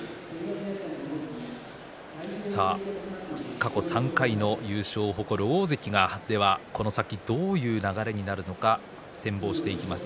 過去３回の優勝を誇る大関がこの先どうなるのか展望していきます。